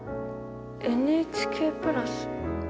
ＮＨＫプラス。